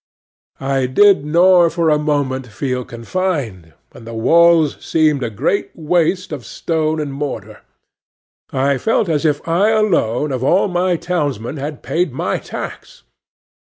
I did nor for a moment feel confined, and the walls seemed a great waste of stone and mortar. I felt as if I alone of all my townsmen had paid my tax.